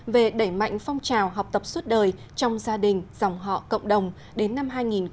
về đẩy mạnh phong trào học tập suốt đời trong gia đình dòng họ cộng đồng đến năm hai nghìn hai mươi